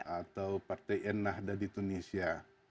atau partai enahda di tunisia